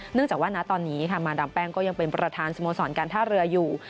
เนื่องจากว่าณตอนนี้มาดามแป้งก็ยังเป็นประทานสมสอนการท่าเรืออยู่